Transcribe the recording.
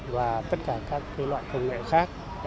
và tất cả các loại công nghệ khác